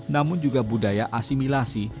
namun juga budaya asimilasi